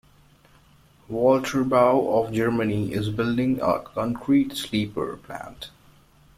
Walterbau of Germany is building a concrete sleeper plant.